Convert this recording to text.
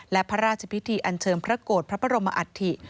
และพระราชพิธีอันเชิญพระโกรธพระบรมอัฐิ